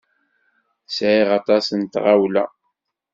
Sɛiɣ aṭas n tawla.